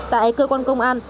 tại cơ quan công an